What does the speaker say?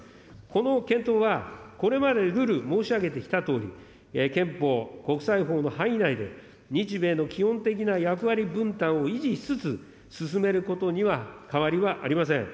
この検討は、これまで縷々申し上げてきたとおり、憲法、国際法の範囲内で、日米の基本的な役割分担を維持しつつ、進めることには変わりはありません。